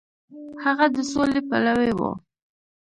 هغه د سولې پلوی و.